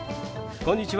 こんにちは！